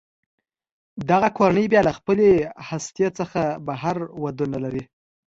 دغه کورنۍ بیا له خپلې هستې څخه بهر ودونه لري.